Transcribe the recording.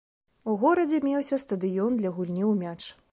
У горадзе меўся стадыён для гульні ў мяч.